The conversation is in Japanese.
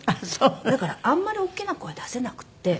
だからあんまり大きな声出せなくって。